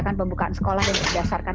komisioner kpai retno listiarti menegaskan